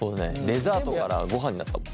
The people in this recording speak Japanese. デザートからごはんになった。